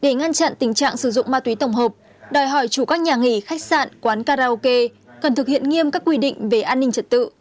để ngăn chặn tình trạng sử dụng ma túy tổng hợp đòi hỏi chủ các nhà nghỉ khách sạn quán karaoke cần thực hiện nghiêm các quy định về an ninh trật tự